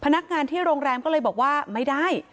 พนักงานที่โรงแรมก็เลยบอกว่าไม่ได้